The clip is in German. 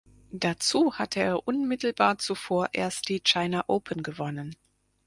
Dazu hatte er unmittelbar zuvor erst die China Open gewonnen.